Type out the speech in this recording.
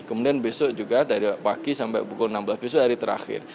kemudian besok juga dari pagi sampai pukul enam belas besok hari terakhir